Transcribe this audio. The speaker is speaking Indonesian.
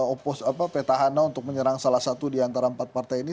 opos apa petahana untuk menyerang salah satu di antara empat partai ini